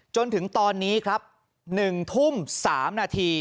จนถึงตอนนี้ครับ๑ทุ่ม๓นาที